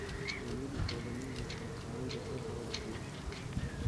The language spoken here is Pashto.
مېلې د ټولنیزي همکارۍ روحیه پیاوړې کوي.